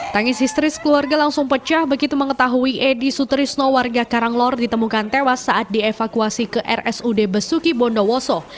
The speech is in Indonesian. tangis histeris keluarga langsung pecah begitu mengetahui edi sutrisno warga karanglor ditemukan tewas saat dievakuasi ke rsud besuki bondowoso